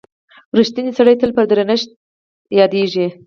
• رښتینی سړی تل په درنښت یادیږي.